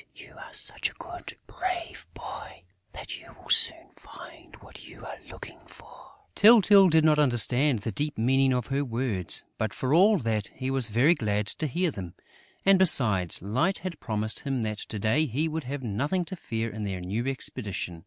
You are such a good, brave boy that you will soon find what you are looking for." Tyltyl did not understand the deep meaning of her words; but, for all that, he was very glad to hear them. And, besides, Light had promised him that to day he would have nothing to fear in their new expedition.